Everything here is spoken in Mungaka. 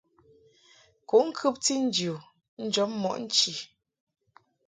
Kuʼ ŋkɨbti nji u njɔb mɔʼ nchi.